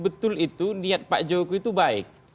betul itu niat pak jokowi itu baik